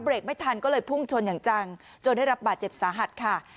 ไม่ทันก็เลยพุ่งชนอย่างจังจนได้รับบาดเจ็บสาหัสค่ะ